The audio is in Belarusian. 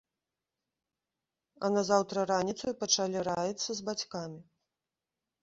А назаўтра раніцаю пачалі раіцца з бацькамі.